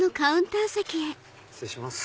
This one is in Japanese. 失礼します。